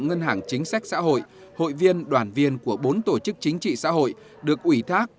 ngân hàng chính sách xã hội hội viên đoàn viên của bốn tổ chức chính trị xã hội được ủy thác